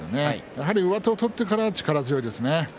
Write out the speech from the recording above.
やはり上手を取ってから力強いですね。